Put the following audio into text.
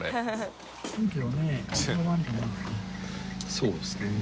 そうですね。